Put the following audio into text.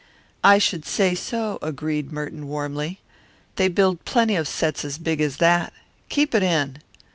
"I should say so!" agreed Merton warmly. "They build plenty of sets as big as that. Keep it in!"